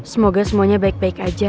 semoga semuanya baik baik aja